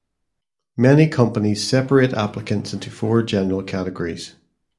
Many companies separate applicants into four general categories.